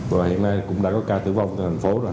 và hiện nay cũng đã có ca tử vong tại thành phố rồi